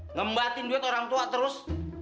ngembatin duit orang tua terus